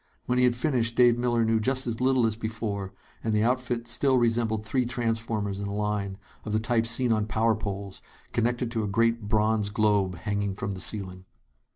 When he had finished, Dave Miller knew just as little as before, and the outfit still resembled three transformers in a line, of the type seen on power poles, connected to a great bronze globe hanging from the ceiling.